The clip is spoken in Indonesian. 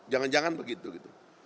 jangan jangan begitu gitu